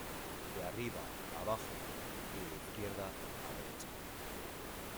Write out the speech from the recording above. de arriba a bajo y de izquierda a derecha ;